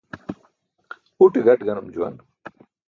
Uṭe gaṭ ganum juwan.